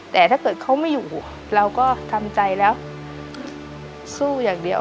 แต่ถ้าเกิดเขาไม่อยู่เราก็ทำใจแล้วสู้อย่างเดียว